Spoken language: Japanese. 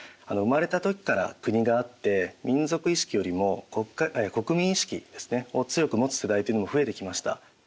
生まれた時から国があって民族意識よりも国民意識ですねを強く持つ世代というのも増えてきました。